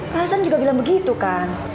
pak hasan juga bilang begitu kan